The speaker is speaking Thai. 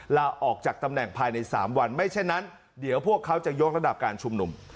ลาออกจากตำแหน่งภายใน๓วันไม่เช่นนั้นเดี๋ยวพวกเขาจะยกระดับการชุมนุม